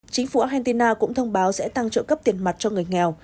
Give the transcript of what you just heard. chính phủ argentina cũng thông báo sẽ tăng trợ cấp tiền mặt cho người nghèo